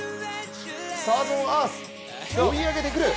スターズオンアース追い上げてくる。